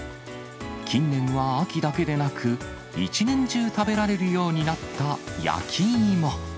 近年は秋だけでなく、一年中食べられるようになった焼き芋。